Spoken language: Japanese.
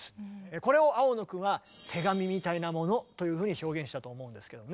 これを青野君は「手紙みたいなもの」というふうに表現したと思うんですけどね。